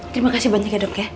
terima kasih banyak ya dok ya